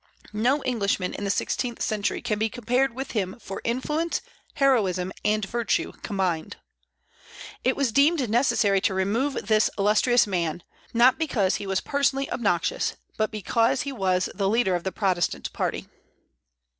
No Englishman in the sixteenth century can be compared with him for influence, heroism, and virtue combined. It was deemed necessary to remove this illustrious man, not because he was personally obnoxious, but because he was the leader of the Protestant party.